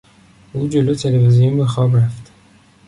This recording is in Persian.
او جلو تلویزیون به خواب رفت.